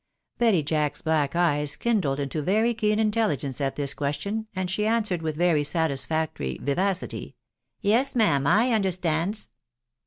" Betty Jack's black eyes kindled into very keen intelligence at this question, and she answered with very satisfactory vi vacity, " Yes, ma'am, I understands."